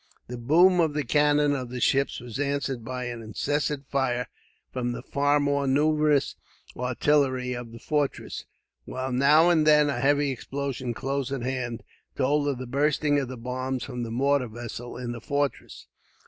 The boom of the cannon of the ships was answered by an incessant fire from the far more numerous artillery of the fortress, while now and then a heavy explosion, close at hand, told of the bursting of the bombs from the mortar vessels, in the fortress.